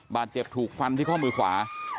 บาดเจ็บถูกฟันที่ข้อมือขวา